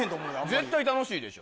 絶対楽しいでしょ。